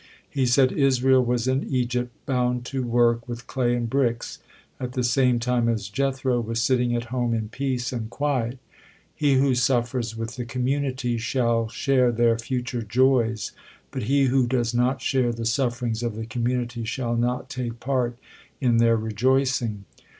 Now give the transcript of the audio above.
He said: "Israel was in Egypt, bound to work with clay and bricks, at the same time as Jethro was sitting at home in peace and quiet. He who suffers with the community shall share their future joys, but he who does not share the sufferings of the community shall not take part in their rejoicing."